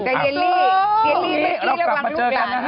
กับเยลลี่เรากลับมาเจอกันนะฮะ